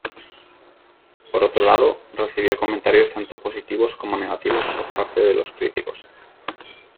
Por otro lado, recibió comentarios tanto positivos como negativos por parte de los críticos.